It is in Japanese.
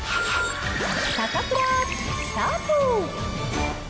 サタプラ、スタート。